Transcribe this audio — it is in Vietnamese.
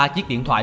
ba chiếc điện thoại